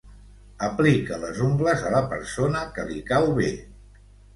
Aplica les ungles a la persona que li cau bé.